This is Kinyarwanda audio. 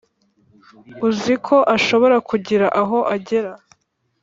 uziko ashobora kugira aho agera